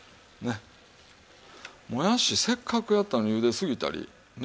もやしせっかくやったのにゆですぎたりね